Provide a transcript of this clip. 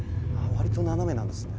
割と斜めなんですね。